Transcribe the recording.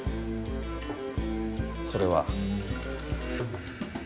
それは。